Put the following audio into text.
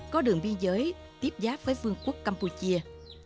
có đường biên giới tiếp giáp với vương quốc campuchia